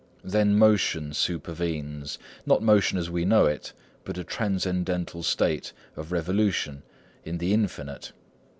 Then motion supervenes; not motion as we know it, but a transcendental state of revolution in the Infinite.